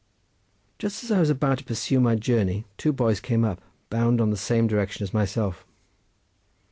Just as I was about to pursue my journey, two boys came up, bound in the same direction as myself.